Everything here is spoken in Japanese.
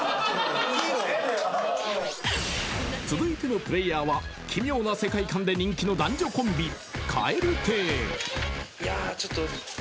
［続いてのプレーヤーは奇妙な世界観で人気の男女コンビ］